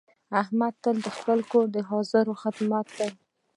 احمد تل د خپل کور حاضر خدمت دی.